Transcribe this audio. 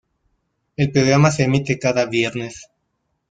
El programa se emite cada viernes.